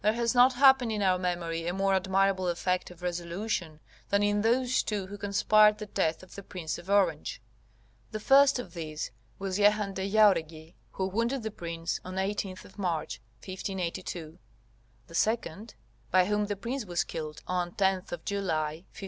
There has not happened in our memory a more admirable effect of resolution than in those two who conspired the death of the Prince of Orange. [The first of these was Jehan de Jaureguy, who wounded the Prince 18th March 1582; the second, by whom the Prince was killed 10th July 1584.